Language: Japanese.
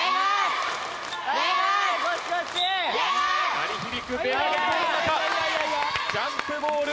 鳴り響くベガーズコールの中ジャンプボール。